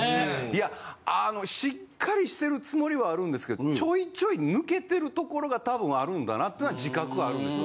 いやあのしっかりしてるつもりはあるんですけどちょいちょいぬけてるところが多分あるんだなってのは自覚あるんですよ。